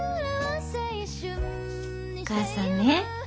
お母さんね